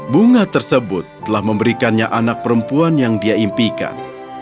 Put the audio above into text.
bunga tersebut telah memberikannya anak perempuan yang dia impikan